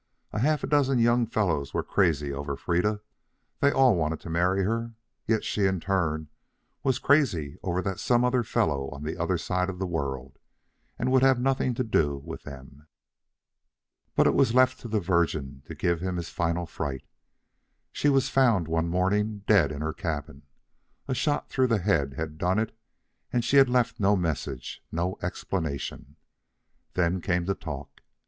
A half dozen young fellows were crazy over Freda. They all wanted to marry her. Yet she, in turn, was crazy over that some other fellow on the other side of the world, and would have nothing to do with them. But it was left to the Virgin to give him his final fright. She was found one morning dead in her cabin. A shot through the head had done it, and she had left no message, no explanation. Then came the talk.